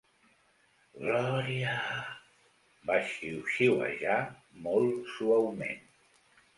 "Gloria" va xiuxiuejar molt suaument.